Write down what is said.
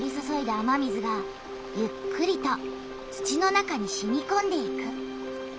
雨水がゆっくりと土の中にしみこんでいく。